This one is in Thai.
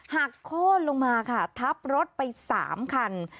หักโค้นลงมาค่ะทับรถไป๓คัน